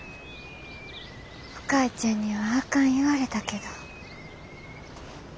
お母ちゃんにはあかん言われたけど。